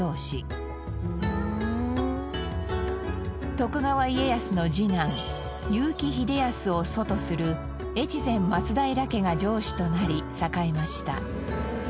徳川家康の次男結城秀康を祖とする越前松平家が城主となり栄えました。